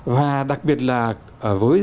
và đặc biệt là với